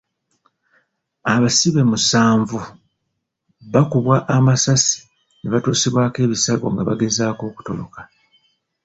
Abasibe musanvu bakubwa amasasi ne batuusibwako ebisago nga bagezaako okutoloka.